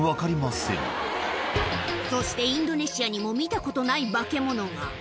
そして、インドネシアにも見たことのない化け物が。